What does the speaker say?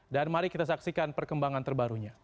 dan mari kita saksikan perkembangan terbarunya